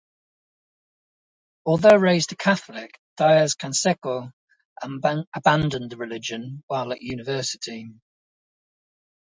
Although raised a Catholic, Diez Canseco abandoned the religion while at university.